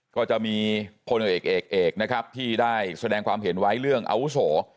ก็จะมีพลเอกเอกนะครับที่ได้แสดงความเห็นไว้เรื่องอาวุโส